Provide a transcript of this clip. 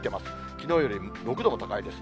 きのうより６度も高いです。